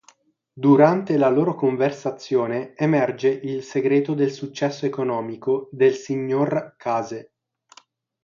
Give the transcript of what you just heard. Durante la loro conversazione emerge il segreto del successo economico del signor Case.